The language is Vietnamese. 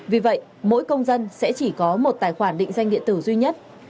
vì vậy mỗi công dân sẽ chỉ có một tài khoản định danh điện tử duy nhất